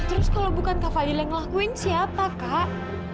terus kalau bukan kak fadil yang ngelakuin siapa kak